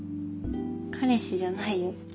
彼氏じゃないよ。